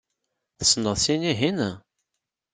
Tessneḍ sin-ihin?